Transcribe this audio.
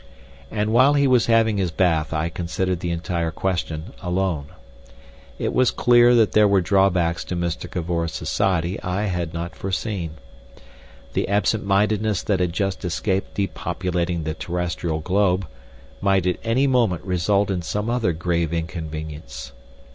And while he was having his bath I considered the entire question alone. It was clear there were drawbacks to Mr. Cavor's society I had not foreseen. The absentmindedness that had just escaped depopulating the terrestrial globe, might at any moment result in some other grave inconvenience.